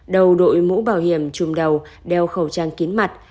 đầu đội mũ bảo hiểm chùm đầu đeo khẩu trang kiến mặt